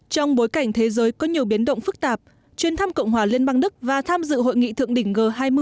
trong bối cảnh thế giới có nhiều biến động phức tạp chuyên thăm cộng hòa liên bang đức và tham dự hội nghị thượng đỉnh g hai mươi